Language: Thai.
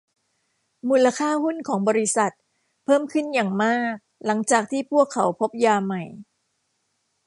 มูลค่าหุ้นของ บริษัท เพิ่มขึ้นอย่างมากหลังจากที่พวกเขาพบยาใหม่